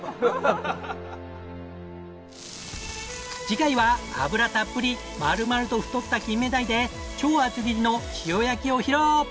次回は脂たっぷり丸々と太った金目鯛で超厚切りの塩焼きを披露！